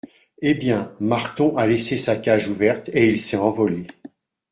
Eh bien, Marton a laissé sa cage ouverte et il s’est envolé !